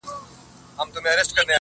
سرکار وايی لا اوسی خامخا په کرنتین کي-